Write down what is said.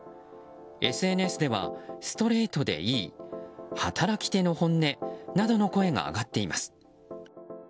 ＳＮＳでは、ストレートでいい働き手の本音などの声が上がっています。